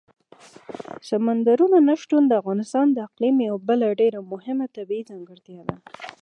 سمندر نه شتون د افغانستان د اقلیم یوه بله ډېره مهمه طبیعي ځانګړتیا ده.